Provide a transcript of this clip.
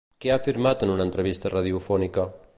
Què ha afirmat en una entrevista radiofònica?